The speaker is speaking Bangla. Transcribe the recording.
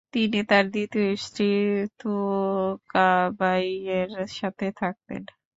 তিনি তার দ্বিতীয় স্ত্রী তুকাবাঈয়ের সাথে থাকতেন।